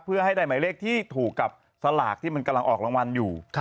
เพื่อให้ได้หมายเลขที่ถูกกับสลากที่มันกำลังออกรางวัลอยู่